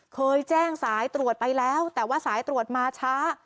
เคยแจ้งสายตรวจไปแล้วแต่ว่าสายตรวจมาช้า